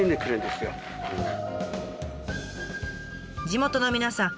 地元の皆さん